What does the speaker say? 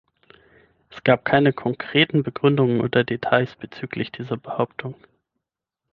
Es gab keine konkreten Begründungen oder Details bezüglich dieser Behauptung.